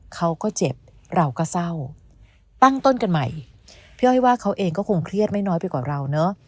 เขาก็เจ็บเราก็เศร้าตั้งต้นกันใหม่พี่อ้อยว่าเขาเองก็คงเครียดไม่น้อยไปกว่าเราเนอะ